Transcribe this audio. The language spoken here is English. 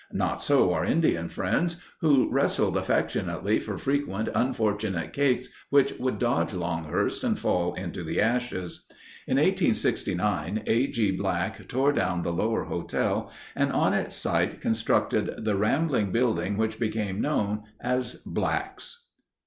Not so our Indian friends, who wrestled affectionately for frequent unfortunate cakes which would dodge Longhurst and fall into the ashes. In 1869 A. G. Black tore down the Lower Hotel and on its site constructed the rambling building which became known as "Black's."